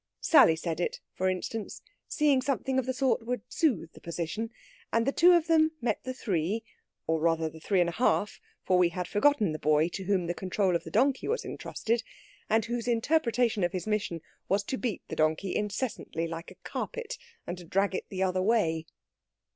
Sally said it, for instance, seeing something of the sort would soothe the position; and the two of them met the three, or rather the three and a half, for we had forgotten the boy to whom the control of the donkey was entrusted, and whose interpretation of his mission was to beat the donkey incessantly like a carpet, and to drag it the other way.